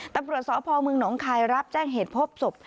ตำรวจสพเมืองหนองคายรับแจ้งเหตุพบศพ